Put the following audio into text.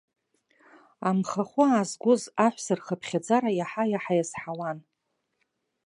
Амхахәы аазгоз аҳәса рхыԥхьаӡара иаҳа-иаҳа иазҳауан.